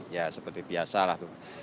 ya seperti biasa lah